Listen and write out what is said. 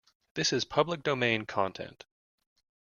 This is public domain content.